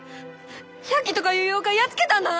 百鬼とかいう妖怪やっつけたんだな！？